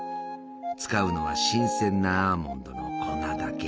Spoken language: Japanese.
使うのは新鮮なアーモンドの粉だけ。